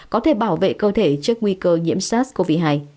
có thể bảo vệ cơ thể trước nguy cơ nhiễm sars cov hai